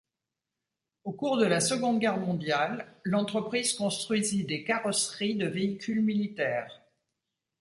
Au cours de la Seconde Guerre mondiale, l'entreprise construisit des carrosseries de véhicules militaires.